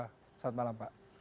selamat malam pak